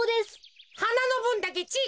はなのぶんだけちぃ